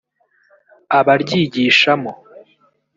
abaryigishamo